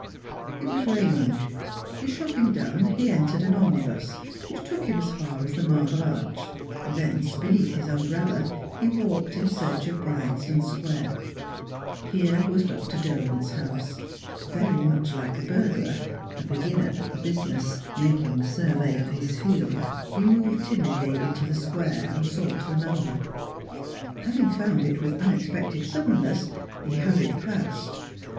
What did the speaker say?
It was raining. His shopping done, he entered an omnibus, which took him as far as the Marble Arch; thence, beneath his umbrella, he walked in search of Bryanston Square. Here was Dr. Derwent's house. Very much like a burglar, a beginner at the business, making survey of his field, he moved timidly into the Square, and sought the number; having found it with unexpected suddenness, he hurried past.